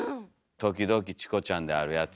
時々「チコちゃん」であるやつ。